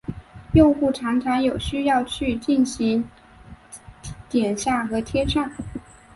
用户常常有需要去进行剪下和贴上。